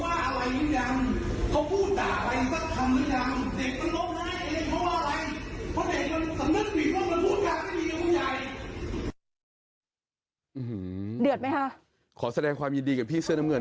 เดือดไหมคะขอแสดงความยินดีกับพี่เสื้อน้ำเงิน